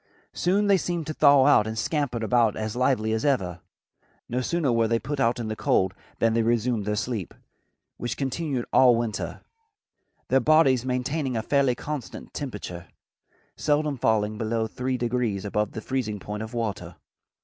Soon they seemed to thaw out and scampered about as lively as ever. No sooner were they put out in the cold than they resumed their sleep, which continued all winter, their bodies maintaining a fairly constant temperature, seldom falling below three degrees above the freezing point of water.